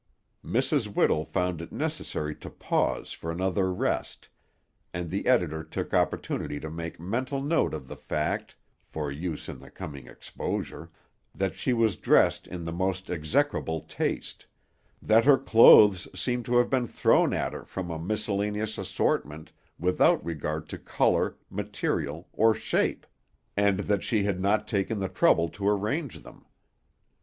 Mrs. Whittle found it necessary to pause for another rest, and the editor took opportunity to make mental note of the fact (for use in the coming exposure) that she was dressed in the most execrable taste; that her clothes seemed to have been thrown at her from a miscellaneous assortment, without regard to color, material, or shape, and that she had not taken the trouble to arrange them.